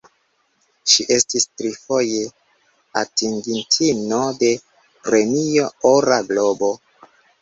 Ŝi estis trifoje atingintino de Premio Ora Globo.